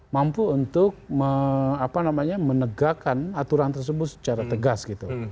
mampu untuk menegakkan aturan tersebut secara tegas gitu